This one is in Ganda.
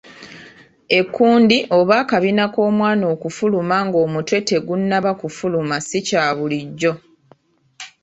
Ekkundi oba akabina k'omwana okufuluma ng'omutwe tegunnaba kufuluma si kya bulijjo.